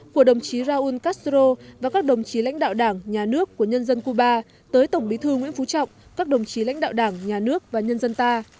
các đồng chí lãnh đạo đảng nhà nước của nhân dân cuba tới tổng bí thư nguyễn phú trọng các đồng chí lãnh đạo đảng nhà nước và nhân dân ta